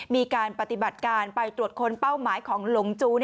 มีการปฏิบัติการไปตรวจค้นเป้าหมายของหลงจู